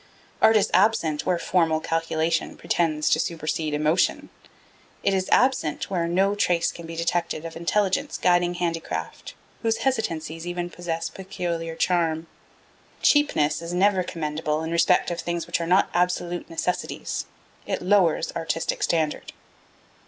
Art is absent 'where formal calculation pretends to supersede emotion'; it is absent 'where no trace can be detected of intelligence guiding handicraft, whose hesitancies even possess peculiar charm ... cheapness is never commendable in respect of things which are not absolute necessities; it lowers artistic standard.'